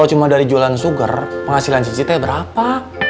kalo cuma dari jualan sugar penghasilan cincitnya berapa